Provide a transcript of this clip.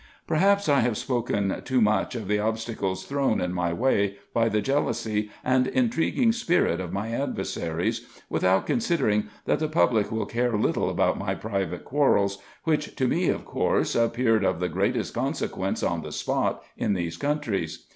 Perhaps I have spoken too much of the obstacles thrown in my way, by the jealousy and intriguing spirit of my adversaries, without considering that the public will care little about my private quarrels, which to me, of course, appeared of the greatest consequence on the spot, in these countries.